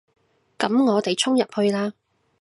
噉我哋衝入去啦